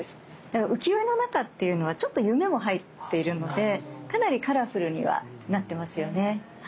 だから浮世絵の中っていうのはちょっと夢も入っているのでかなりカラフルにはなってますよね。